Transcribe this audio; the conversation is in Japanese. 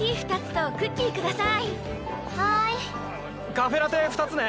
カフェラテ２つね。